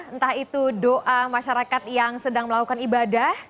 entah itu doa masyarakat yang sedang melakukan ibadah